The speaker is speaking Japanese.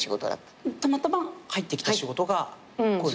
たまたま入ってきた仕事が声の仕事。